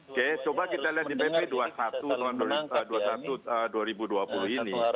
oke coba kita lihat di pp dua puluh satu dua ribu dua puluh ini